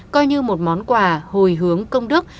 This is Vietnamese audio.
coi như một món quà hồi hướng công đức